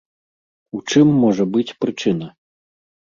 У чым можа быць прычына?